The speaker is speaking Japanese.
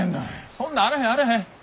そんなんあらへんあらへん。